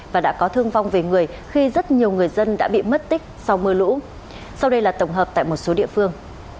và đã có thương vong về người khi rất nhiều người dân đã bị mất tích sau mưa lũ sau đây là tổng hợp tại một số địa phương